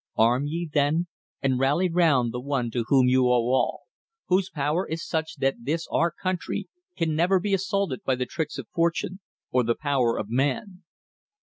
Arm ye then and rally round the one to whom you owe all, whose power is such that this our country can never be assaulted by the tricks of fortune, or the power of man.